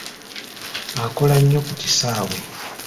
Akola nnyo ku kisaawe.